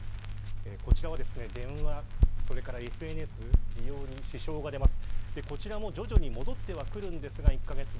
こちらは電話、それからＳＮＳ利用に支障が出ます。